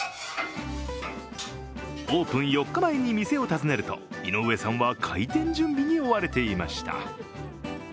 オープン４日前に店を訪ねると、井上さんは開店準備に追われていました。